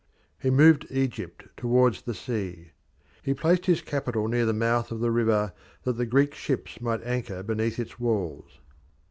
He moved Egypt towards the sea. He placed his capital near the mouth of the river, that the Greek ships might anchor beneath its walls.